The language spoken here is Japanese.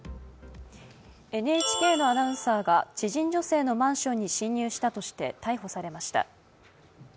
ＮＨＫのアナウンサーが知人女性のマンションに侵入したとして逮捕されました。